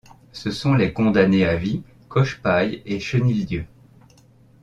Ce sont les condamnés à vie Cochepaille et Chenildieu.